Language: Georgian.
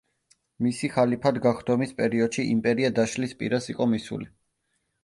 მისი ხალიფად გახდომის პერიოდში იმპერია დაშლის პირას იყოს მისული.